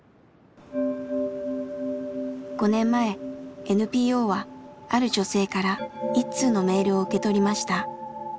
５年前ＮＰＯはある女性から一通のメールを受け取りました。